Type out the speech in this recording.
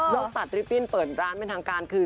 ตัดลิปปิ้นเปิดร้านเป็นทางการคือ